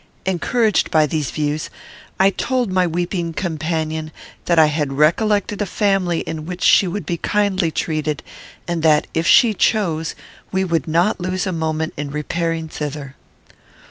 Encouraged by these views, I told my weeping companion that I had recollected a family in which she would be kindly treated; and that, if she chose, we would not lose a moment in repairing thither.